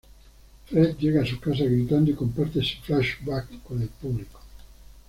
Fred llega a su casa gritando y comparte su flashback con el público.